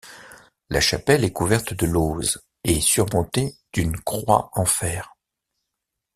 La chapelle est couverte de lauzes et surmontée d’une croix en fer.